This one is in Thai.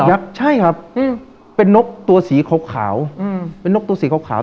นกยักษ์ใช่ครับเป็นนกตัวสีครบขาวเป็นนกตัวสีครบขาว